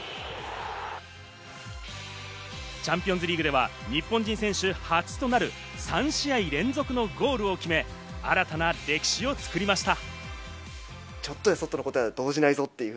チャンピオンズリーグでは日本人選手初となる３試合連続のゴールを決め、新たな歴史を作りました。